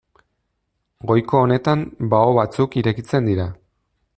Goiko honetan bao batzuk irekitzen dira.